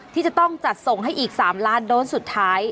ที่จะต้องจัดส่งให้อีก๓ล้านโดสสุดท้าย